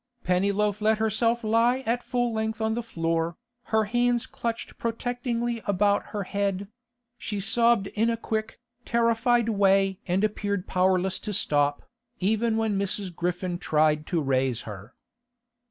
Pennyloaf let herself lie at full length on the floor, her hands clutched protectingly about her head; she sobbed in a quick, terrified way, and appeared powerless to stop, even when Mrs. Griffin tried to raise her.